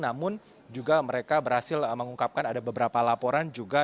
namun juga mereka berhasil mengungkapkan ada beberapa laporan juga